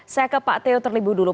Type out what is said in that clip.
saya ke pak teo terlebih dulu